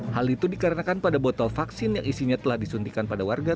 hal itu dikarenakan pada botol vaksin yang isinya telah disuntikan pada warga